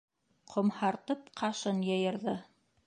Ҡомһартып ҡашын йыйырҙы.